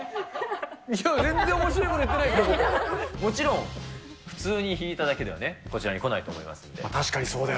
もちろん、普通に弾いただけではこちらに来ないと思いますんで。